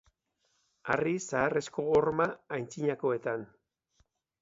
Harri zaharrezko horma antzinakoetan.